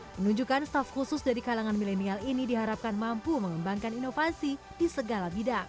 penunjukan staff khusus dari kalangan milenial ini diharapkan mampu mengembangkan inovasi di segala bidang